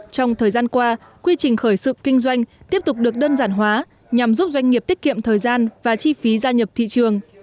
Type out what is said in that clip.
trong thời gian qua quy trình khởi sự kinh doanh tiếp tục được đơn giản hóa nhằm giúp doanh nghiệp tiết kiệm thời gian và chi phí gia nhập thị trường